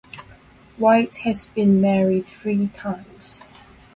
White has been married three times.